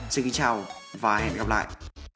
xin kính chào và hẹn gặp lại